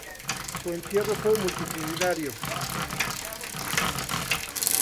Su entierro fue multitudinario.